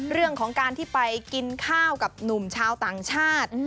เรื่องของการที่ไปกินข้าวกับหนุ่มชาวต่างชาติ